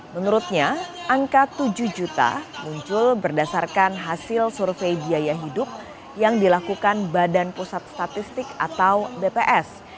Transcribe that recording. menurutnya angka tujuh juta muncul berdasarkan hasil survei biaya hidup yang dilakukan badan pusat statistik atau bps